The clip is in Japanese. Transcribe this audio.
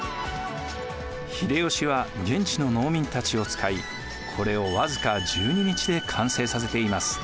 秀吉は現地の農民たちを使いこれを僅か１２日で完成させています。